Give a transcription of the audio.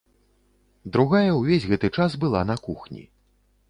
Другая ўвесь гэты час была на кухні.